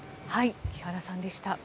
木原さんでした。